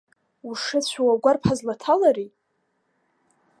Ушыцәоу агәарԥ ҳазлаҭалари?!